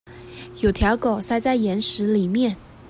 有條狗塞在岩石裡面